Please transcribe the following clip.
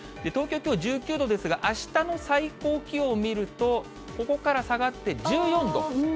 東京、きょう１９度ですが、あしたの最高気温を見ると、ここから下がって１４度。